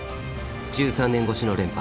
１３年ごしの連覇。